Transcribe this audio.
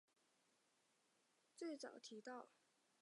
最早提到徐福的是源隆国的今昔物语。